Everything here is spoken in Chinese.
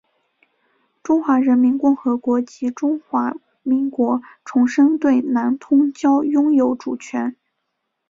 中华人民共和国及中华民国重申对南通礁拥有主权。